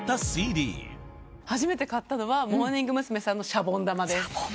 初めて買ったのはモーニング娘。さんの『シャボン玉』です。